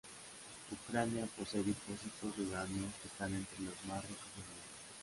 Ucrania posee depósitos de uranio que están entre los más ricos del mundo.